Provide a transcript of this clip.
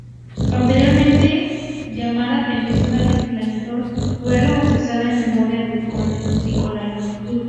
Anteriormente llamada "península de Vladivostok", fue rebautizada en memoria del conde Nikolái Muraviov-Amurski.